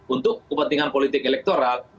untuk kepentingan politik elektoral